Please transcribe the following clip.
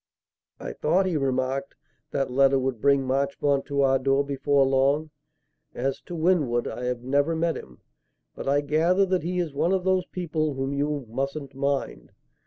"I thought," he remarked, "that letter would bring Marchmont to our door before long. As to Winwood, I have never met him, but I gather that he is one of those people whom you 'mustn't mind.'